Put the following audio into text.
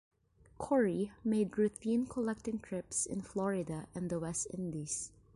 Cory made routine collecting trips in Florida and the West Indies.